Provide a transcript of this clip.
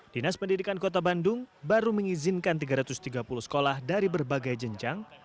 dinas pendidikan kota bandung baru mengizinkan tiga ratus tiga puluh sekolah dari berbagai jenjang